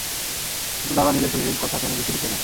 কিন্তু দাদা নিজের শরীরের কথা কেন কিছুই লিখলে না?